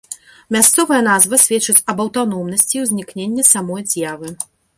Мясцовая назва сведчыць аб аўтаномнасці ўзнікнення самой з'явы.